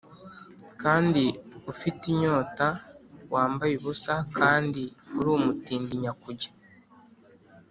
kandi ufite inyota, wambaye ubusa kandi uri umutindi nyakujya.